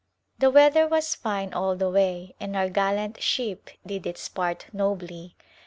The weather was fine all the way and our gallant ship did its part nobly.